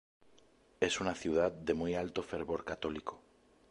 Es una ciudad de muy alto fervor católico.